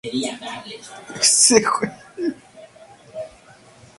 Es denominado "Rodman Passage" por Estados Unidos y el Reino Unido.